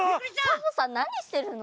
サボさんなにしてるの？